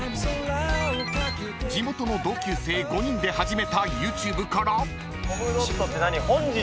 ［地元の同級生５人で始めたＹｏｕＴｕｂｅから］